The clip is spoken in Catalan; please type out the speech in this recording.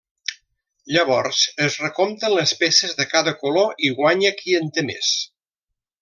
Llavors es recompten les peces de cada color i guanya qui en té més.